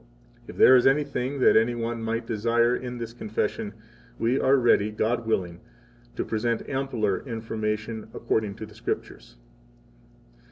7 If there is anything that any one might desire in this Confession, we are ready, God willing, to present ampler information according to the Scriptures.